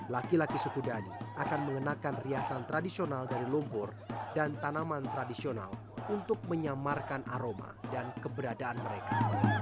laki laki suku dhani akan mengenakan riasan tradisional dari lumpur dan tanaman tradisional untuk menyamarkan aroma dan keberadaan mereka